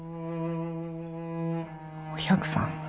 お百さん。